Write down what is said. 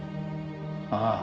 「ああ。